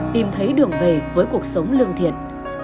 tìm thấy đường về với cuộc sống lương thiện